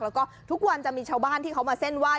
แล้วก็ทุกวันจะมีชาวบ้านที่เขามาเส้นไหว้